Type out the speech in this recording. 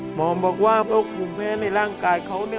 หมอบอกว่าเพราะกลุ่มแพ้ในร่างกายเขาเนี่ย